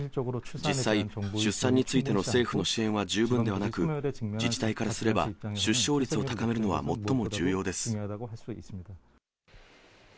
実際、出産についての政府の支援は十分ではなく、自治体からすれば、出生率を高めるのは最も重要です。